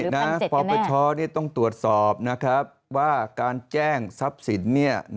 คืออย่างนี้นะปปชต้องตรวจสอบนะครับว่าการแจ้งทรัพย์สินเนี่ย